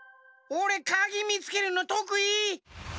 おれかぎみつけるのとくい。